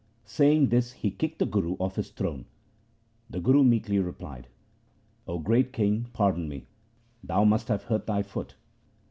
Saying this he kicked the Guru off his throne. The Guru meekly replied, ' O great king, pardon me. Thou must have hurt thy foot.'